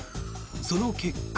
その結果。